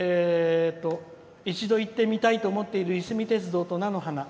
「一度行ってみたいと思っているいすみ鉄道と菜の花。